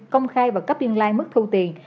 công khai và cấp in line mức thu tiền